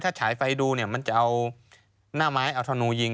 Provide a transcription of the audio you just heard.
ถ้าฉายไฟดูเนี่ยมันจะเอาหน้าไม้เอาธนูยิง